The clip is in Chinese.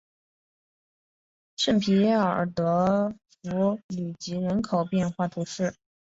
圣皮耶尔德弗吕吉人口变化图示